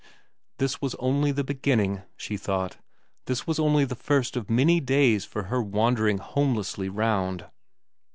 This was only the beginning, she thought ; this was only the first of many days for her of wandering home lessly round.